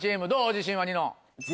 自信はニノ。